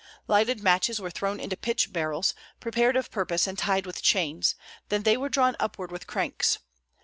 Lighted matches were thrown into pitch barrels, prepared of purpose and tied with chains; then they were drawn upward with cranks.